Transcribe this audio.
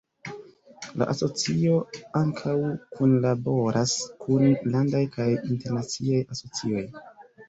La asocio ankaŭ kunlaboras kun landaj kaj internaciaj asocioj.